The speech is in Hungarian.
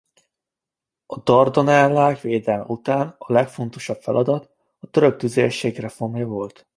A Dardanellák védelme után a legfontosabb feladat a török tüzérség reformja volt.